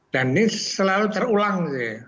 dan ini selalu terulang